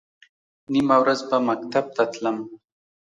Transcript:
نیمه ورځ به مکتب ته تلم.